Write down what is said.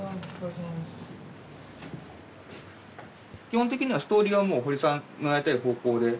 基本的にはストーリーは堀さんのやりたい方向で。